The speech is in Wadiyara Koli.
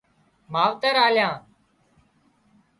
ماوتر آليان